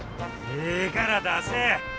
ええから出せ！